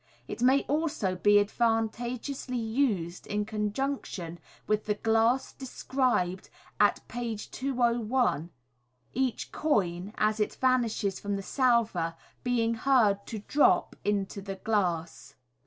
It may also be advantageously used in conjunction with the glass describe d at page 201, each coin, as it vanishes from the salver, being heard to drop into the glass.